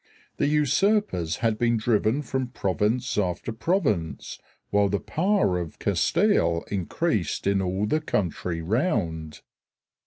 The usurpers had been driven from province after province, while the power of Castile increased in all the country round.